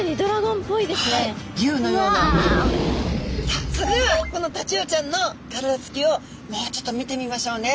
さあそれではこのタチウオちゃんの体つきをもうちょっと見てみましょうね。